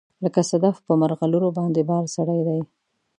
لکه صدف په مرغلروباندې بار سړی دی